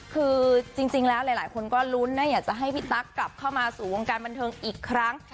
คือจริงแล้วหลายคนก็ลุ้นนะอยากจะให้พี่ตั๊กกลับเข้ามาสู่วงการบันเทิงอีกครั้ง